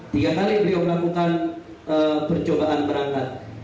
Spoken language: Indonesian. tiga kali beliau melakukan percobaan berangkat